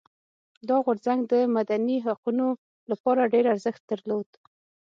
دا غورځنګ د مدني حقونو لپاره ډېر ارزښت درلود.